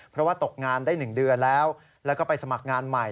เพราะว่าตกงานได้๑เดือนแล้วแล้วก็ไปสมัครงานใหม่